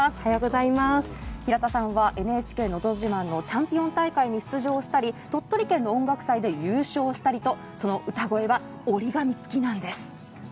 平田さんはＮＨＫのど自慢のチャンピオン大会に出場したり鳥取県の音楽祭で優勝したりとその歌声は折り紙付きなんです。